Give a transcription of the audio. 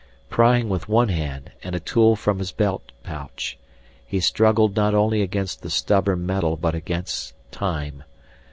Prying with one hand and a tool from his belt pouch, he struggled not only against the stubborn metal but against time.